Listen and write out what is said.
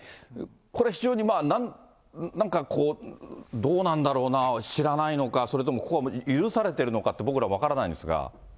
これ非常になんかこう、どうなんだろうな、知らないのか、それとも許されてるのか、僕ら分からないんですが。